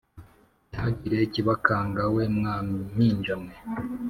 Ntihagire ikibakanga we mwa mpinja mwe